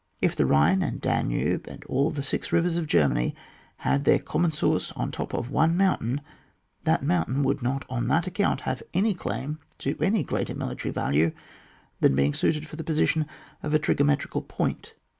If the Bhine and Danube and all the six rivers of Germany had their common source on the top of one mountain, that moun tain would not on that account have any claim to any greater military value than being suited for the position of a trigonometrical point.